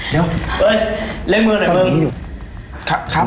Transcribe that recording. เดี๋ยวเฮ้ยเล่นมือหน่อยค่ะค่ะ